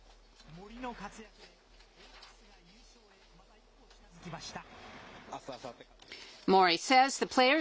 森の活躍で、オリックスが優勝へ、また一歩近づきました。